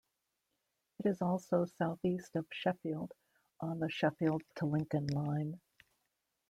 It is also south east of Sheffield on the Sheffield to Lincoln Line.